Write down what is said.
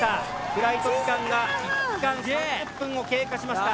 フライト時間が１時間３０分を経過しました。